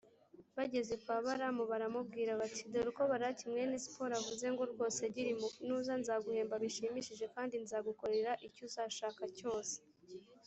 bageze kwa balamu baramubwira bati «dore uko balaki mwene sipori avuze, ngo ’rwose gira impuhwe. nuza, nzaguhemba bishimishije, kandi nzagukorera icyo uzashaka cyose.